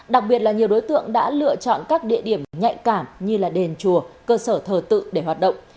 đặc biệt là nhiều đối tượng đã lựa chọn các địa điểm nhạy cảm như đền chùa cơ sở thờ tự để hoạt động